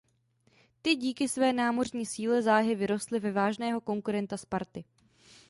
Ty díky své námořní síle záhy vyrostly ve vážného konkurenta Sparty.